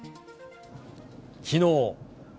きのう。